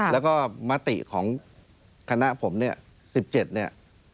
แล้วก็มติของคณะผมเนี่ย๑๗เนี่ย